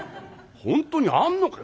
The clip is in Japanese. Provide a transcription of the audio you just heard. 「本当にあんのか」。